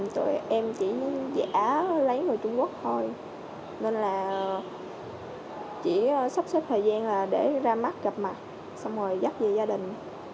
tụi em chỉ sắp xếp thời gian để ra mắt gặp mặt xong rồi dắt về gia đình